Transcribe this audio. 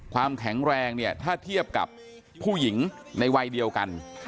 ความแข็งแรงเนี่ยถ้าเทียบกับผู้หญิงในวัยเดียวกัน